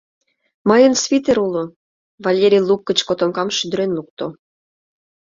— Мыйын свитер уло, — Валерий лук гыч котомкам шӱдырен лукто.